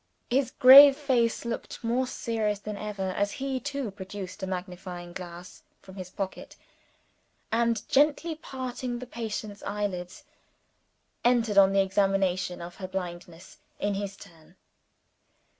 His grave face looked more serious than ever, as he too produced a magnifying glass from his pocket, and, gently parting the patient's eyelids, entered on the examination of her blindness, in his turn.